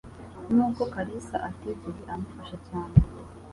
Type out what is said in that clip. Nubwo Kalisa atigeze amufasha cyane.